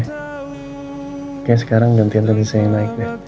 kayaknya sekarang gantian tadi saya yang naik deh